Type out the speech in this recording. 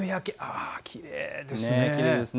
きれいですね。